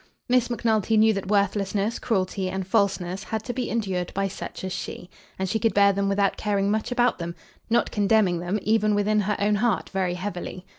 Miss Macnulty knew that worthlessness, cruelty, and falseness had to be endured by such as she. And she could bear them without caring much about them; not condemning them, even within her own heart, very heavily.